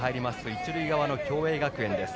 一塁側の共栄学園です。